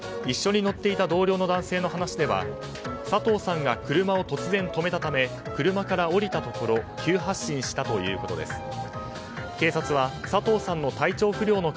一緒に乗っていた同僚の男性の話では佐藤さんが車を突然止めたため車から降りたため急発進したということです。